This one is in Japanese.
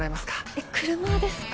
え車ですか？